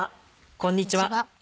こんにちは。